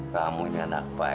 kamunya anak baik dik